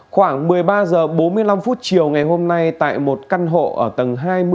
khoảng một mươi ba h bốn mươi năm chiều ngày hôm nay tại một căn hộ ở tầng hai mươi